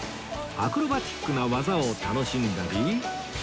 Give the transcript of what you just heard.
アクロバティックな技を楽しんだり